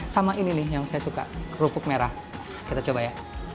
sama ini nih yang saya suka kerupuk merah kita coba ya